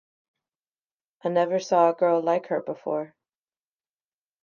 I never saw a girl like her before.